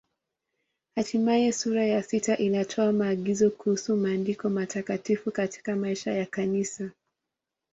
Hatimaye sura ya sita inatoa maagizo kuhusu Maandiko Matakatifu katika maisha ya Kanisa.